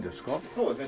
そうですね。